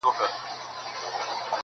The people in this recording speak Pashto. مستي مو توبې کړې تقدیرونو ته به څه وایو!.